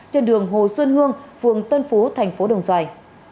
trên đường hồ xuân hương phường tân phú tp đồng xoài